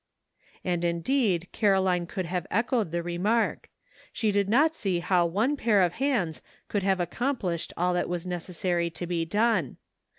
And indeed Caroline could have echoed the remark ; she did not see how one pair of hands could have accomplished all that was necessary to be done.